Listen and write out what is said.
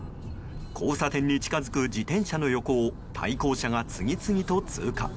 交差点に近づく自転車の横を対向車が次々と通過。